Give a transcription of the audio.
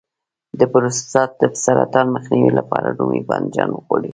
د پروستات د سرطان مخنیوي لپاره رومي بانجان وخورئ